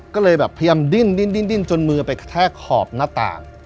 ก็เลยพยายามดิ้นดิ้นดิ้นจนมือไปแทะขอบหน้าต่าง